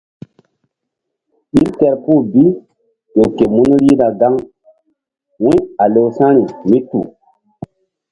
Ɓil kerpuh bi ƴo ke mun rihna gaŋ wu̧y a lewsa̧ri mí tu.